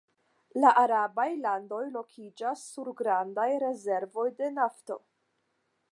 La arabaj landoj lokiĝas sur grandaj rezervoj de nafto.